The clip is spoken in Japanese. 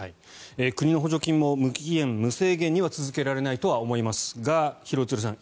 国の補助金も無期限、無制限には続けられないとは思いますが廣津留さん